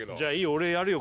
俺やるよ